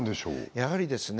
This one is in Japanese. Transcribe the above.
やはりですね